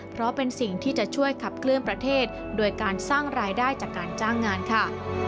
เพราะเป็นสิ่งที่จะช่วยขับเคลื่อนประเทศโดยการสร้างรายได้จากการจ้างงานค่ะ